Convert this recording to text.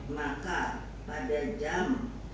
maka pada jam tiga belas empat puluh lima